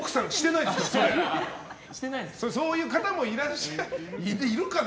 そういう方もいらっしゃるいるかな？